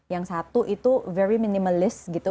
yang satu itu very minimalis gitu